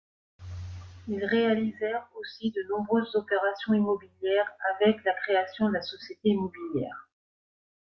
Ils réalisèrent aussi de nombreuses opérations immobilières, avec la création de la Société immobilière.